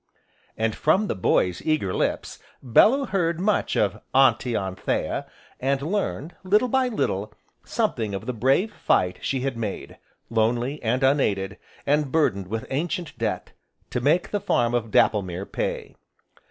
And, from the boy's eager lips, Bellew heard much of "Auntie Anthea," and learned, little by little, something of the brave fight she had made, lonely and unaided, and burdened with ancient debt, to make the farm of Dapplemere pay.